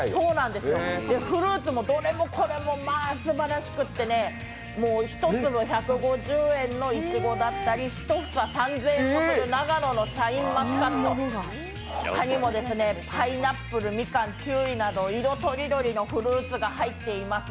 フルーツもどれもこれもまあすばらしくってね、もう一粒が１５０円のいちごだったり１房３０００円もする長野シャインマスカット、他にもパイナップル、みかんキウイなど色とりどりのフルーツが入っています。